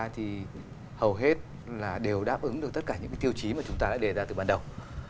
thì hầu hết đều đáp ứng được tất cả những tiêu chí mà chúng ta đã đề ra từ bắt đầu